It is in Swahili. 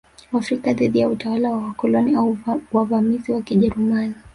Waafrika dhidi ya utawala wa wakoloni au wavamizi wa Kijerumani